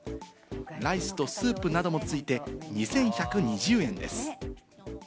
ライスとスープなどもついて２１２０円です。